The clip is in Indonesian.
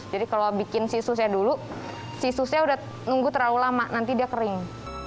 jadi kalau bikin si sousnya dulu si sousnya udah nunggu terlalu lama nanti dia kering